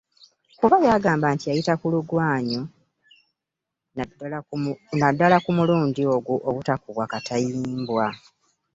Kuba ye agamba nti yayita ku luganyu ddala ku mulundi ogwo obutakubwa katayimbwa.